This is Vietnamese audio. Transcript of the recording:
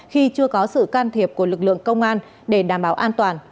khi chưa có sự can thiệp của lực lượng công an để đảm bảo an toàn